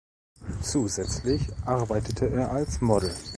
Zusätzlich arbeitete er als Model.